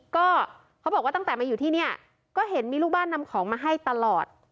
ก็เขาบอกว่าตั้งแต่มาอยู่ที่เนี่ยก็เห็นมีลูกบ้านนำของมาให้ตลอด